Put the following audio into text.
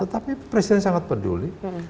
tetapi presiden sangat peduli